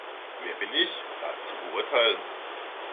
Wer bin ich, das zu beurteilen?